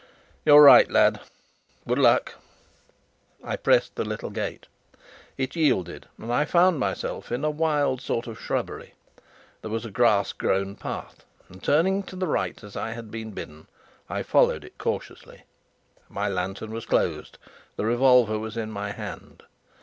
"You're right, lad. Good luck!" I pressed the little gate. It yielded, and I found myself in a wild sort of shrubbery. There was a grass grown path and, turning to the right as I had been bidden, I followed it cautiously. My lantern was closed, the revolver was in my hand.